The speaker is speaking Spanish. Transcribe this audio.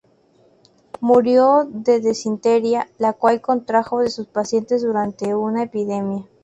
Murió de disentería, la cual contrajo de sus pacientes durante una epidemia.